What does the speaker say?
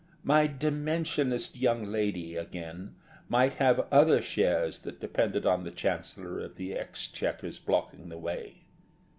My Dimensionist young lady, again, might have other shares that depended on the Chancellor of the Exchequer's blocking the way.